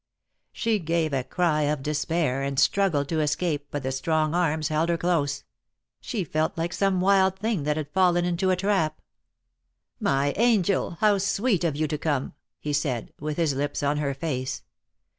She gave a cry of despair, and struggled to escape, but the strong arms held her close. She felt like some wild thing that had fallen into a trap, "My angel, how sweet of you to come," he said, with his lips on her face.